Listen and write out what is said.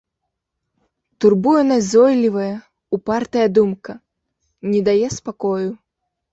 Турбуе назойлівая, упартая думка, не дае спакою.